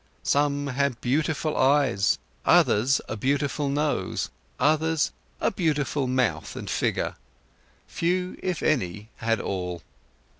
Some had beautiful eyes, others a beautiful nose, others a beautiful mouth and figure: few, if any, had all.